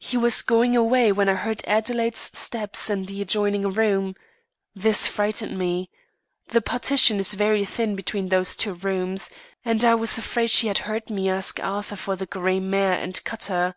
"He was going away when I heard Adelaide's steps in the adjoining room. This frightened me. The partition is very thin between these two rooms, and I was afraid she had heard me ask Arthur for the grey mare and cutter.